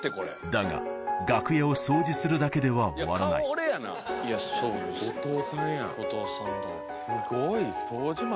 だが楽屋を掃除するだけでは終わらない後藤さんやすごい掃除まで。